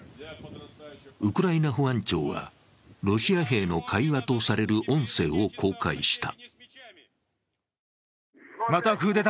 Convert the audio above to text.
ウクライナ保安庁は、ロシア兵の会話とされる音声を公開した。